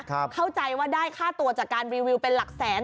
เข้าใจว่าได้ค่าตัวจากการรีวิวเป็นหลักแสน